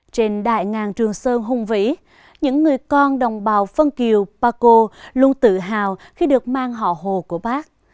trên đại ngàn trường sơn hùng vĩ những người con đồng bào vân kiều ba cô luôn tự hào khi được mang họ hồ của bác